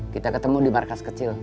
kita ketemu di markas kecil